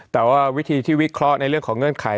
แต่ว่าวิธีที่วิเคราะห์ในเรื่องของเงื่อนไข